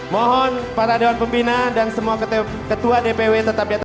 mohon para dewan pimpinan dan semua ketua dpw tetap di atas